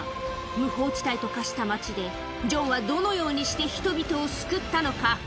無法地帯と化した街で、ジョンはどのようにして人々を救ったのか。